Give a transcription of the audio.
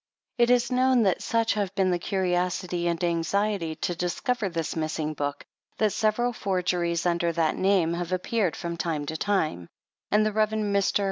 PREFACE. y It is known that such have been the curiosity and anxiety to discover this missing book, that several forgeries under that name have appeared from time to time ; and the Rev. Mr.